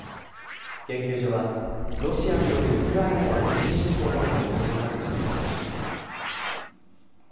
研究所はロシアによるウクライナへの軍事侵攻などが要因だと指摘しています。